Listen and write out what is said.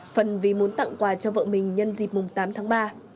phần vì muốn tặng quà cho vợ mình nhân dịp tám tháng ba